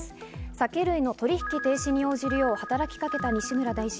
酒類の取引停止に応じるよう働きかけた西村大臣。